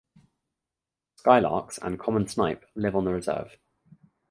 Skylarks and common snipe live on the reserve.